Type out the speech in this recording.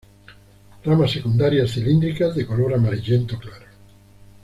Ramas secundarias cilíndricas de color amarillento claro.